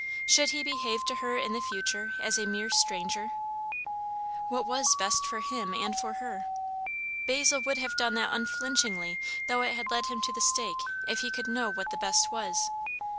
Should he behave to her in the future as a mere stranger? What was best for him and for her? Basil would have done that unflinchingly, though it had led him to the stake, if he could know what the best was.